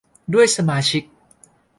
ด้วยสมาชิก